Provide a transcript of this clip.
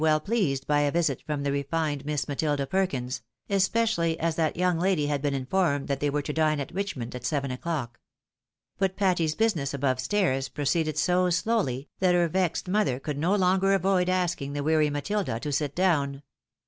well pleased by a visit from the refined Miss Matilda Perkins ^ especially as that young lady had been informed that they were to dine at Richmond at seven o'clock. But Patty's business above stairs, proceeded so slowly, that her vexed mother could no longer avoid asking the weary Matilda to sit down.